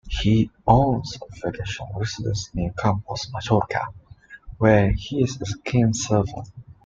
He owns a vacation residence near Campos, Majorca, where he is a keen surfer.